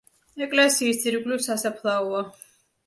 ეკლესიის ირგვლივ სასაფლაოა.